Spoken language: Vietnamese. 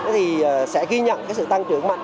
thì sẽ ghi nhận sự tăng trưởng mạnh